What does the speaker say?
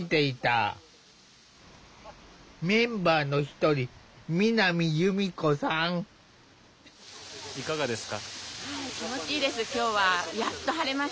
メンバーの一人いかがですか？